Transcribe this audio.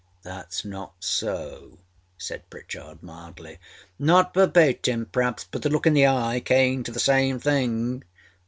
â âThatâs not so,â said Pritchard, mildly. âNot verbatim perâaps, but the look in the eye came to the same thing.